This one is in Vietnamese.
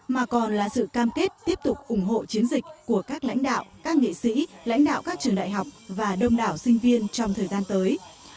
mà còn là sự cam kết tiếp tục ủng hộ chiến dịch của các lãnh đạo các nghệ sĩ lãnh đạo các trường đại học và đông đảo sinh viên trong thời gian tới